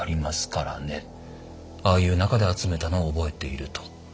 ああいう中で集めたのを覚えている」と。